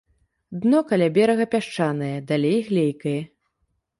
Дно каля берага пясчанае, далей глейкае.